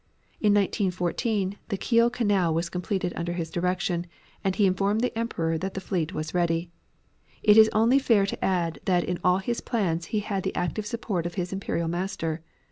In 1914 the Kiel Canal was completed under his direction, and he informed the Emperor that the fleet was ready. It is only fair to add that in all his plans he had the active support of his Imperial Master.